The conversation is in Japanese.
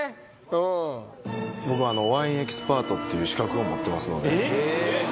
うん僕ワインエキスパートっていう資格を持ってますのでえっ？